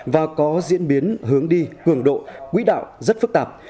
và có diễn biến hướng đi cường độ quỹ đạo rất phức tạp